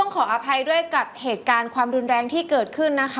ขออภัยด้วยกับเหตุการณ์ความรุนแรงที่เกิดขึ้นนะคะ